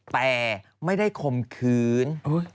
แต่ไม่ได้ข่มขืน